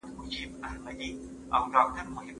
که تجربه شریکه سي نو تېروتنه نه تکرارېږي.